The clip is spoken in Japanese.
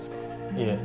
いえ。